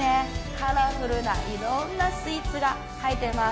カラフルないろんなスイーツが入ってます。